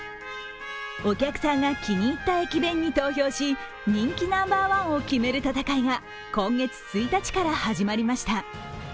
お客さんが気に入った駅弁に投票し人気ナンバーワンを決める戦いが今月１日から始まりました。